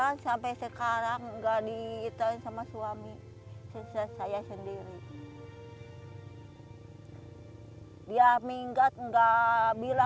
ini lagi dikandung berapa bulan